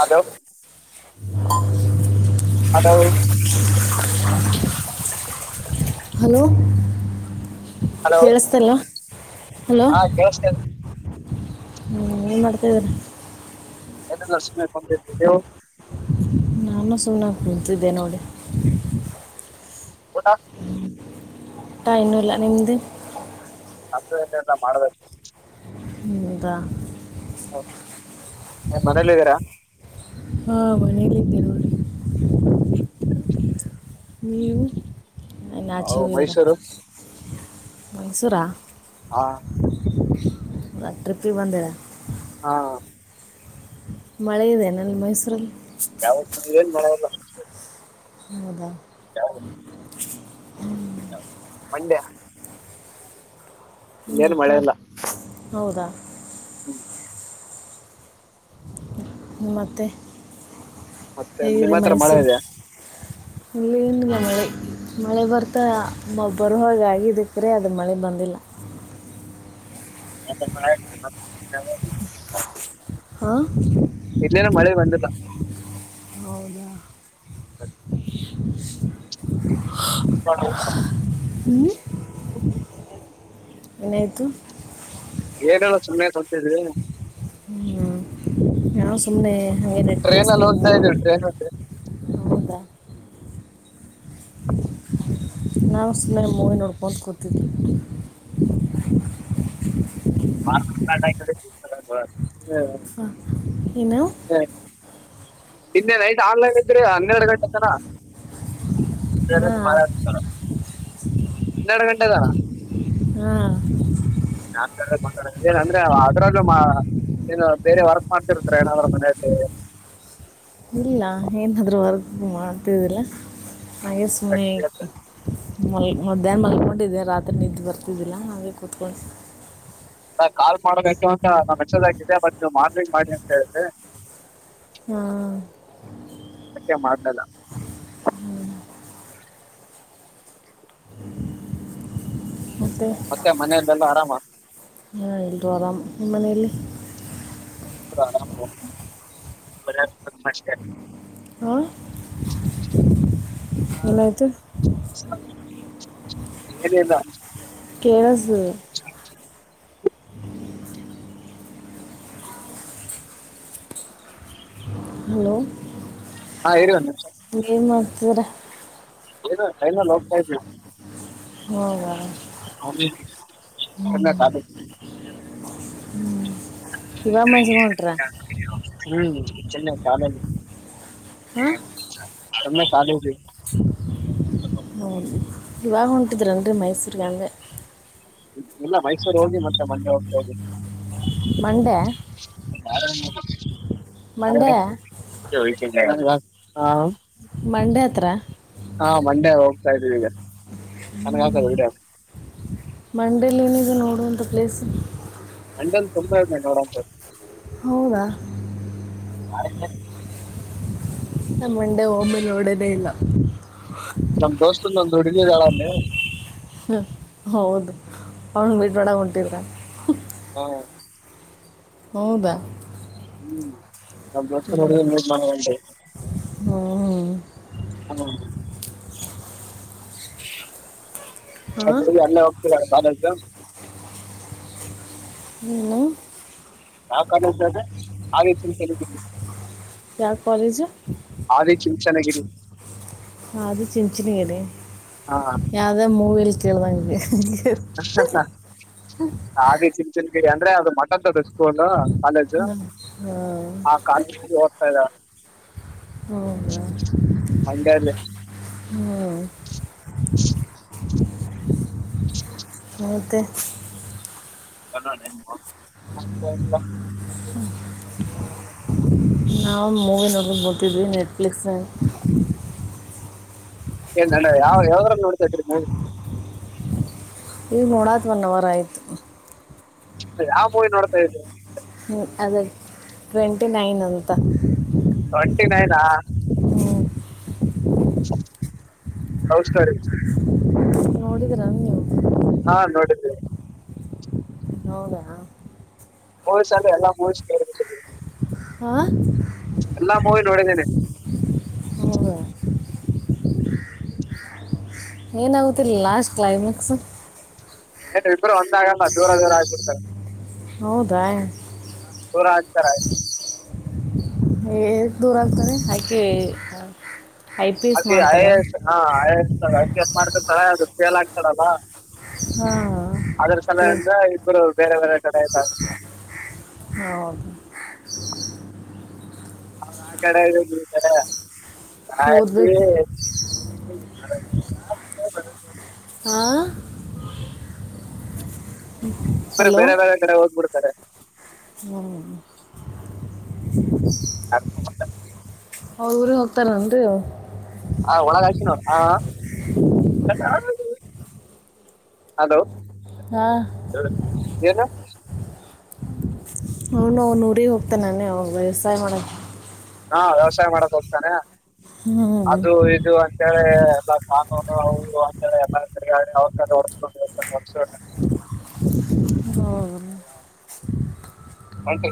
Hello how hello hello ಕೇಳಿಸ್ತಿಲ್ಲ hello ಹಾ ಕೇಳಿಸ್ತಾ ಇದೆ ಹ್ಮ್ ಏನ್ ಮಾಡ್ತಿದೀ ಏನಿಲ್ಲ ಸುಮ್ನೆ ಕುಂತಿದ್ವಿ ನೀವು ನಾನು ಸುಮ್ನೆ ಕುಂತಿದ್ದ ನೋಡಿ ಊಟ ಊಟ ಇನ್ನೂ ಇಲ್ಲ ನಿಮ್ದು ನಂದು ಇನ್ನೂ ಇಲ್ಲ ಮಾಡ್ಬೇಕು ಹೌದಾ ಹೌ ಏನ್ ಮನೇಲಿದಿರಾ ಹಾ ಮನೇಲ್ಲಿದ್ದೆ ನೋಡಿ [inaudible] ನೀವು ಹಾಚೆ ಓ ಹೋಗಿದ್ರ ಮೈಸೂರು ಮೈಸೂರಾ ಹಾ ಟ್ರಿಪಿಂಗ್ ಬಂದಿರಾ ಹಾ ಮಳೆ ಇದೆನೆಲ್ಲಿ ಮೈಸೂರಲ್ಲಿ [unintelligible] ಹೌದಾ [unintelligible] [inaudible] ಮಂಡ್ಯ ಇಲ್ಲಾ ಇಲ್ಲೇನ್ ಮಳೆ ಮಾಡ ಇಲ್ಲ ಹೌದಾ [inaudible] ಮತ್ತೆ ಮತ್ತೆ ನಿಮ್ಮ ಹತ್ರ ಮಳೆ ಇದೆಯಾ ಇಲಿಲ್ಲ್ ಮಳೆ ಮಳೆ ಬರ್ತಾ ಮ ಬರೋಆಗಿದೆ ಕರೆ ಅದು ಮಳೆ ಬಂದಿಲ್ಲ [unintelligible] ಹಾ ಇಲ್ಲೇನು ಮಳೆ ಬಂದಿಲ್ಲ ಹೌದ [inaudible] [unintelligible] ಹ್ಮ್ ಏನಾಯ್ತು [unintelligible] [unintelligible] ಹ್ಮ ನಾವ ಸುಮ್ಮ್ನೆ ಟ್ರೈನ್ ಅಲ್ಲಿ ಹೋಗ್ತಾ ಇದ್ವಿ ಟ್ರೈನ್ ಟ್ರೇ ಹೌದಾ ನಾವು ಸುಮ್ನ ಮೂವಿ ನೋಡ್ಕೊಂತ ಕೂತಿದ್ದ [unintelligible] ಹಾ ಏನು ನಿನ್ನೆ ನೈಟ್ ಆನ್ಲೈನ್ ಇದ್ರಿ ಹನ್ನೆರಡು ಗಂಟೆ ತನ ಹಾಂ [unintelligible] ಹನ್ನೆರಡು ಗಂಟೆದಾರ ಹ್ಮ ನಾನ್ ಏನಂದ್ರೆ ಅದ್ರಲ್ಲೂ ಏನು ಬೇರೆ ವರ್ಕ್ ಮಾಡುತ್ತಿರುತ್ತಾರೆ ಏನಾದ್ರೂ ಮನೆಯಲ್ಲಿ ಇಲ್ಲ ಏನಾದ್ರೂ ವರ್ಕ್ ಮಾಡ್ತದಿಲ್ಲ ಹಾಗೆ ಸುಮ್ಮನೆ ಮಲ್ ಮಧ್ಯಾಹ್ನ ಮಲ್ಕೊಂಡಿದ್ದೆ ರಾತ್ರಿ ನಿದ್ದೆ ಬರ್ತಿದ್ದಿಲ್ಲ ಹಾಗೇ ಕೂತ್ಕೊಂಡು ನಾ ಕಾಲ್ ಮಾಡ್ಬೇಕು ಅಂತ ನಾ ಮೆಸೇಜ್ ಹಾಕಿದ್ಯಾ ಬಟ್ ನೀವು ಮಾರ್ನಿಂಗ್ ಮಾಡ್ರಿ ಅಂತ ಹೇಳಿದ್ರಿ ಹಾಂ ಅದ್ಕೆ ಮಾಡಲಿಲ್ಲ ಮತ್ತೆ ಮನೆಯಲೆಲ್ಲ ಆರಾಮ ಹಾ ಎಲ್ರೂ ಆರಾಮ್ ನಿಮ್ಮ ಮನೆಯಲ್ಲಿ [unintelligible] [unintelligible] ಹಾ ಏನಾಯಿತು [unintelligible] ಏನಿಲ್ಲ ಕೇಳಸ [inaudible] ಹಲೋ ಹಾ ಇರಿ ಒಂದ್ ನಿಮಿಷ ಏನ್ ಮಾಡ್ತೀದಿರಾ ಲೈನಲ್ ಹೋಗ್ತಾಯಿದ್ದೀವಿ ಹೌದ ಹ್ಞ. ಸುಮ್ನೆ ಖಾಲಿ [inaudible] ಇವಾಗ ಮೈಸೂರಿಗೆ ಹೊಂಟ್ರಾ [unintelligible] ಹಾ ಸುಮ್ನೆ ಖಾಲಿ ಇದ್ವಿ [unintelligible] ಇವಾಗ ಹೊಂಟಿದ್ರೇನ್ರೀ ಮೈಸೂರಿಗೆ ಅಂದ್ಯಾ ಇಲ್ಲ ಮೈಸೂರು ಹೋಗಿ ಮತ್ತೆ ಮಂಡ್ಯ ಹೋಗ್ತಾ ಇದಿವಿ ಮಂಡ್ಯ ಬಾರ [inaudible] ಮಂಡ್ಯ ಹ್ಮ್ ಬ ಚ [inaudible] ಹಾ. ಮಂಡೆ ಹತ್ರ ಹಾ ಮಂಡೆ ಇದ್ದೀರಿ ಈಗ ನನ್ಗ ಹಾಕೋದು ಹ್ಮ್ ವಿಡಿಯೋ ಮಂಡಲ್ಲಿ ಏನ ನೋ. ಅದಂತ ಪ್ಲೇಸ್ ಲಂಡನ್ ತಂಬರ ಸರ್ ಹೌದಾ ಅ [inaudible] ನಮ್ಮಂಡೆ ಹೋಮ್ಮ ನೋಡದೇ ಇಲ್ಲ ನಮ್ ದೋಸ್ತ ನಂದು ಹುಡುಗಿ ದಾಳ ಅವನ್ ಬಿಟ್ ಮಾಡಡ ಹೊಟ್ಟಿದ್ರ ಹಾ ಹೌದಾ. ಹ್ಮ್. ಹ್ಞೂ ನ ಮಾಡ ಹ್ಮ ಅ ಹಾಂ ಅಲ್ಲೇ ಹೋಗ್ತರ ಬ ಹ [inaudible] ಯಾ ಕಾಲೇಜ್ ಆ ರೀತಿಂತಿದ [inaudible] ಯಾವ್ ಕಾಲೇಜ ಆದಿಚುಂಚನಗಿರಿ ಹಾ ಅದು ಚಿಂಚನ ಗಿರಿ ಹಾ ಯಾವದೇ ಮೂವಿಲ್ ಕಲಂಗ [inaudible] ಸತ [inaudible] ಅದೇ ಚಿನ್ನ ಚಿನ್ ಗಿಡಿ ಅಂದ್ರೆ ಅದು ಮಟನ್ ತಡ ಸ್ಕೂಲ್ ಕಾಲೇಜ್ ಹಾಂ ಹಾಂ ಆ ಕಾಲೇಜ ಓದ್ತಾ ಇದಾಳೆ ಹ್ಮದಾ ಮಂಡ್ಯಲ್ಲಿ ಹ್ಮ [inaudible] ಹಂತೆ. ಅಲ್ಲನ್ [inaudible] ಮತಲ್ಲ ಹ್ಮ್ಮ ನಾವು ಮೂವಿ ನೋಡ್ ಬೋಗತಿದ್ವಿ ನೆಟ್ಫ್ಲಿಕ್ಸ್ ಏನ್ ಯಾವ ಯಾವ ನೋಡ್ತ ಈಗ ನೋಡತ ಒನ್ ಅವರ್ ಆಯಿತು. ಯಾವ ಮೂವಿ ನೋಡ್ತಾ ಇದೀವಿ ಹ ಅದ ಟ್ವೆಂಟಿ ನೈನ್ ಅಂತ ಟ್ವೆಂಟಿ ನೈನ್ ಹೌಸ್ಟರಿ ರೀ ನೋಡಿದ್ರ ನೀವು ಹಾ ನೋಡಿದ್ದವಿ ಹೌದ ಹ್ ಚಲ್ಲ ಎಲ್ಲ ಹ. ಆ ಹೋಗಿ ನೋಡಿದ್ದೇನೆ ಹೌದಾ ಏನಾಗುತ್ತ ಇಲ್ಲಿ ಲಾಸ್ಟ್ ಕ್ಲೈಮ್ಯಾಕ್ಸ್. ಏ ಇಬ್ರು ಒಂದಾಗಲ್ಲ ದೂರ ದೂರ ಆಗ್ಬಿಡ್ತಾರೆ. ಹೌದಾ. ಹಾ ದೂರ ಆಗ್ತಾರ. ಹ ದೂರ ಆಗ್ತಾರೆ ಹಾಕಿ ಅಕೆ ಐಎಸ್ ಐಎಸ್ ಎ ಐಪಿಸ್ ಮಾಡಿದರಾ ಚನ್ನಗಿರತ್ತಿತ್ತು ಸಲ್ ಆಗ್ತಾಡಲ್ಲ. ಅದ್ರ ಹಾಂ ಅದರ ಸಲುವಾಗಿ ಅಂದ ಇಬ್ಬರು ಬೇರೆ ಬೇರೆ ಕಡೆ ಇದ್ದಾರೆ ಹೌ ಹೌದ ಆ ಕಡೆ ಇದ್ದಿದ್ ಈ ಕಡೆ ಆತ ಓದ್ಬೇಕು ಹಾಂ ಬ ಬೇರೆ ಬೇರೆ ಕಡೆ ಹೋಗ್ಬಿಡ್ತು ಸ ಹ್ಮ್ ಹ ಅವ ಊರಿಗೆಗ್ ಹೋಗ್ತಾರ ಅನ್ರಿ ಹಾ ಒಳಗಾತ ನೋ ಹ ಹಲೋ ಹಾಂ ಏನು ಇವನು ಅವನು ಊರಿಗೆ ಹೋಗುತ್ತಾನೆ ನಾನ ಅವ ವ್ಯವಸಾಯ ಮಾಡಕ ಹಾ ವ್ಯವಸಾಯ ಮಾಡಕ್ ಹೋಗ್ತಾನೆ ಹ್ಞೂ ಅದು ಇದು ಅಂತೇಳೆ ಎಲ್ಲ ಹ ಇ ಎಲ್ಲ ಅವ ಹೊಡಸ್ಕೊಂಡು ಹೊಡ್ಸ ಹ ಒಂತ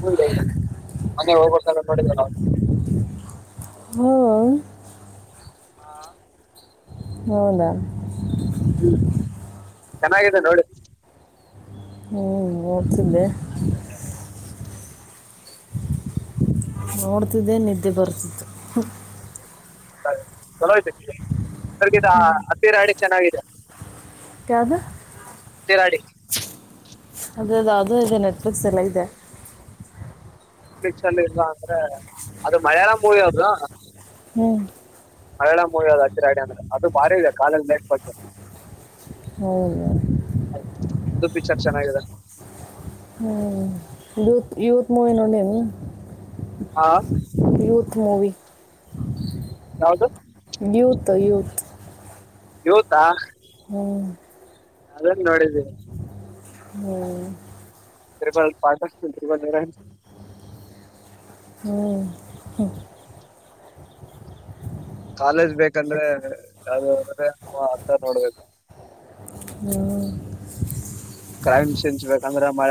ಹ ಮನೆ ಹೋಗ್ಬೇಕ ಅನ್ಕೊಂಡಿದ್ವಿ ನಾವು ಹ್ಮ ಹಾ ಹೌದ ಚೆನ್ನಾಗಿದೆ ನೋಡಿ ಹ್ಮ್ ನೋಡ್ತಿದೇ ನೋಡ್ತಿದ್ದೆ ನಿದ್ದೆ ಬರ್ತಿತ್ತು ಚಲೋ ಇಯ್ತ ಅದ್ರಗ ಹತ್ತಿರ ಹಡಿ ಚೆನ್ನಾಗಿದೆ ತ್ಯಾವ್ದು ಹತ್ತೆರಾಡಿ ಅದುದೆ ನೆಟ್ಫ್ಲಿಕ್ಸ್ ಎಲ್ಲ ಇದೆ ನೆಟ್ಫ್ಲಿಕ್ಸ್ ಅಲ್ಲಿ ಇಲ್ವಾ ಅಂದ್ರೆ ಅದು ಮಯಳ ಮೂವಿ ಅದು ಹ್ಮ್ ಮರಾಳ ಮೂವಿ ಅ್ ಹಚ್ಚಿರ ಆಡಿ ಅಂದ್ರೆ ಅದು ಭಾರಿ ಇದೆ ಕಾಲಲ್ಲಿ ಮೇ ಬ ಹೌದ ಅದು ಪಿಕ್ಚರ್ ಚೆನ್ನಾಗಿದೆ ಹ್ಮ ಯೂತ್ ಮೂವನುೋಡನು ಹಾ ತ್ ಮೂವಿ ಯಾವದು ತ್ ಯೂಥ್ ಯೋತಾ ಹ್ಮ್ ಅದನ್ ನೋಡಿದ್ದೀಿನಿ ಹ್ಮ್ [unintelligible] ಹ್ಮ ಹ ಕಾಲೇಜ್ ಬೇಕಂದ್ರೆ ಯಾವ್ದ ಅ್ರೆ ಹತ್ತ ನೋಡ್ಬೇಕು ಹ್ಞೂ ಕ್ರೈಮ್ ಚೇಂಜಚ್ ಬೇಕಂದ್ರೆ ಮಾಳ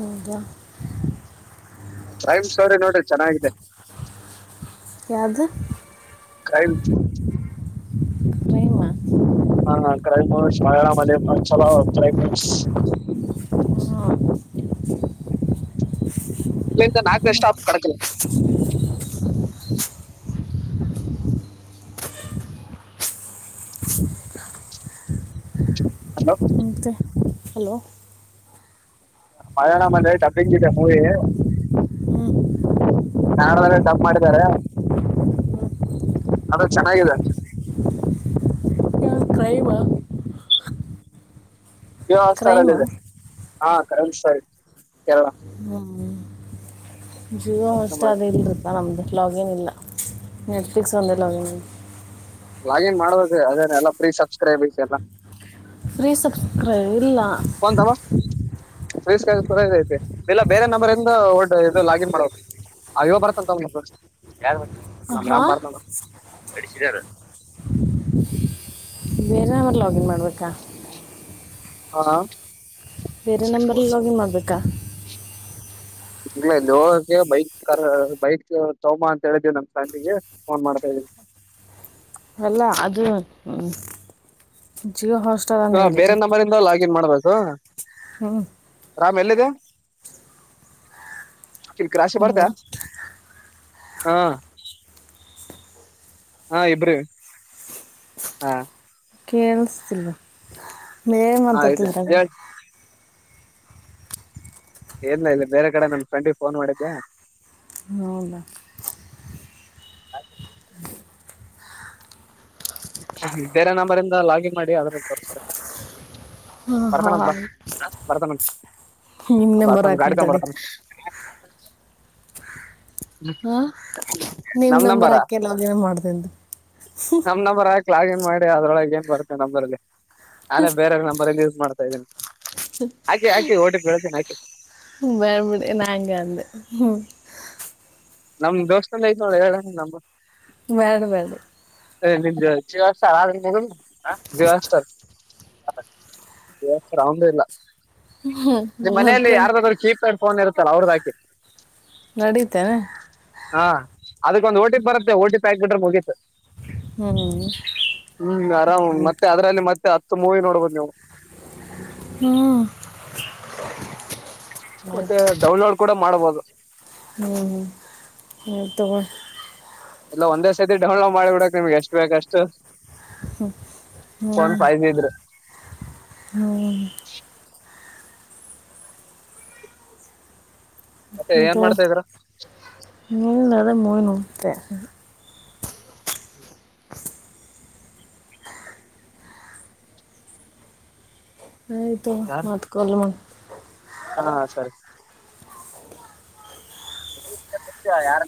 ಹೌದಾ ೈಮ್ ಸೋರಿ ನೋಡ್ರಿ ಚೆನ್ನಾಗಿದೆ ಯಾವುದು ಕ್ರೈಂ ಕ್ರೈಮಾ ಹಾ ಕ್ರೈಮ ಮೂವಿ [unintelligible] ಕ್ರೈಂ ಮೂವೀಸ್ ಹಾಂ ಇಲ್ಲಂದ ನಾಕ ಎಸ್ಟ್ ಸ್ಟಾಪ್ ಕಡಕಲ ಹಲೋ ಮತ್ತೆ ಹಲೋ ಮಾಲಿಯಾಳಮ್ ಅಲ್ಲಿ ಡಬ್ಬಿಂಗಿದೆ ಮೂವಿ ಹ್ಞೂ ಕಡದಲ್ಲ ಡಪ್ ಮಾಡಿದಿದ್ದಾರೆ ಅದು ಚೆನ್ನಾಗಾಗಿದೆ ಕ್ರೈಮಾ ಜಿಯೋ ಹೊಸ್ಟರ್ ಅಲ್ಲ ಕ್ರೈಮಾ ಇಿದೆ ಹಾ ಕಮ ಸು ಎಲ್ಲ ಹ್ಮ ಜೀವ ಅಷ್ಟ ಅದಲ್ಲದ ನಮದು ಲಾಗಿನ್ ಇಲ್ಲ ನೆಟ್ಫ್ಲಿಕ್ಸ್ ಒಂದ ಲಾಗಿನ್ ಇಲ್ಲ ಲಾಗಿನ್ ಮಾಡ್ಬೋದು ಅದೇ ಎಲ್ಲ ಪ್ರಫ್ರೀ ಸಬ್ಸ್ಕ್ರೈಬ್ ಐತೆಲ್ಲ ಸ ಇಲ್ಲ ಕನ್ ತಮ್ಮ ಪ್ಲೀಸ್ ಸ್ ಐತಿ ಇಲ್ಲ ಬೇರೆ ನಂಬರ್ ಇಂದ ಇ ಲಾಗಿನ್ ಮಾಡ ಇವ ಬರ್ತ್ತ ಅಂತದು ಯಾರು ನಮ್ ನಾಮ ಹಾಂ ಬರ್ತ ಬಡಿಸಿದಾರ ಬೇರೆ ನಂಬರ್ ಲಾಗಿನ್ ಮಾಡಬೇಕಾ ಹಾ ಬೇರೆ ನಂಬರಿಲ್ಲಿ ಲೋಗಿನ್ ಆಗ್ಬೇಕಬೇಕಾ ಇಲ್ಲ ಇ ಬೈಕ್ ಬೈಕ್ ತೋಮ್ಮಾ ಅಂತ ಹೇಳಿದೀವಿ ನಮ್ ಫ್ಯಾಮ್ಲಿಗೆ ಫೋನ್ ಮಾಡ್ತಾವಿ ಅಲ್ಲ ಅದು ಹ್ಮ ಹಾ ಬೇರೆ ನಂಬರಿಂದ ಲಾಗಿನ್ ಮಾಡ್ಬೇಕು ಹ್ಞೂ ರಾಮ್ ಎಲ್ಲಿದ್ದು ರಾಶಿ ಬರ್ತಾ ಹಲೋ ಹಾ ಹ ಇಬ್ಬರು ಹಾ ಕ್ಯಾನ್ಸಲ್ ಲೆ ಹಾ ಇದೆ ಮಾಡತತಿದ್ರದು ಹೇಳ ಏನ್ ಇಲ್ಲ ಬೇರೆ ಕಡೆ ನನ್ ಫ್ರೆಂಡಿಗೆ ಫೋನ್ ಮಾಡಿದ್ದೆ ಹದ ಹಾಗ ಬೇರೆ ನಂಬರಿ ಇಂದ ಲಾಗಿನ್ ಮಾಡಿ ಅದ್ರ ತೋರಿಸಬೇಕೇ ಹಾ ಹಾ ಬರ್ತಾನಂತ ನಿಮ್ ನಂಬರ್ ಬರ್ತಾನ ಗಾಡಿ ತಗೊಂಡ್ ಹಾಕಂತಡಿ ಬರ್ತಾನ [unintelligible] ಹಾ ನಿಮ ನಮ್ ನಂಬರ್ ನಂಬರ ಅಕ್ಕಲ್ಲ ಅವೇನ ಮಾಡ್ತ್ದು ಕ್ಲಾಗಿನ್ ಮಾಡಿ ಅದ್ರೊಳ ನ್ ಬರ್ತ್ತೆ ನಂಬ್ರಲ್ಲಿ. ಅದೇ ಬೇರೆ ನಂಬರ್ ಯೂಸ್ ಮಾಡ್ತಾರೆ ಸಗ ಬರ್ಬಿಡಿ ನಂಗ ಅಂದ ಹ್ಮ ನಮ್ ದೋಸ್ತ ಎಲ್ಲ ಐತ್ ನೋಡ ಹೇಳ ನ. ಬೇಳ ಬೇಳ್ಳ. ಇಲ್ಲ ಹ್ಮ್, ಮನೆಯಲ್ಲಿ ಮತ್ತೆ ಯಾರದಾದ್ರರು ಕೀಪ್ ಫೋನ್ ಇರುತ್ತಲ್ಲ ಅವ್ರ್ದ ಹಾಕಿ ನಡಿತೇನೆ ಹಾ ಅದಕ್ಕ ಒಂದು ಓಟಿಪಿ ಬರುತ್ತೆ ಓ ಟಿ ಪಿ ಬ್ಯಾಕ್ ಗಡ್ರೆ ಮುಗತ ಹ್ಞೂ ಹ್ಮ್ ಆರಾಮ್ ಮತ್ತೆ ಅದರಲ್ಲಿ ಮತ್ತೆ. ಮೂವಿ ನೋಡ್ಬಹದು್ ನೀವು. ಹ್ಮ್ ಮತ್ತೆ ಡೌನ್ಲೋಡ್ ಕೂಡ ಮಾಡ್ಬೋದು ಹ್ಮ್ ಹ್ಮ್ ಹ ತಗ ಎಲ್ಲ ಒಂದೇ ಸರ್ತಿ ಡೌನ್ಲೋಡ್ ಮಾಡಿಬಿಡಕ್ ನಿಮ್ಗೆ ಎಷ್ಟು ಬೇಕಷ್ಟು ಹ ಫೋನ್ ಫೈ ಜಿ ಇದ್ರೆ. ಹ್ಮ ಹ್ಮ ಮತ್ತೆ ಏನ್ ಮಾಡ್ತಾ ಇದ್ರ. ಹ್ಮ್ ಆದೆ ಮೋವಿ ನೋಂಡುತ್ತೆ ಹ್ಮ. [unintelligible] ಆಯ್ಿತು ಮತ್ಕಲ್ಮ ಹಾ ಸರಿ ಖ ಯಾರ